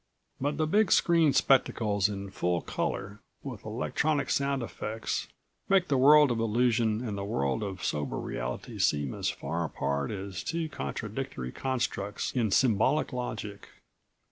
But the big screen spectacles in full color, with electronic sound effects, make the world of illusion and the world of sober reality seem as far apart as two contradictory constructs in symbolic logic.